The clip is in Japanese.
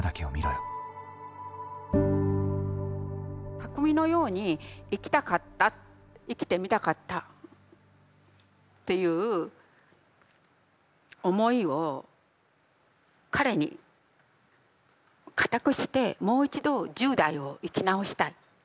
巧のように生きたかった生きてみたかったっていう思いを彼に仮託してもう一度１０代を生き直したい。